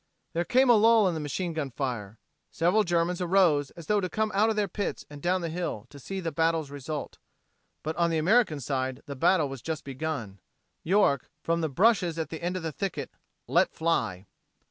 There came a lull in the machine gun fire. Several Germans arose as though to come out of their pits and down the hill to see the battle's result. But on the American side the battle was just begun. York, from the brushes at the end of the thicket, "let fly."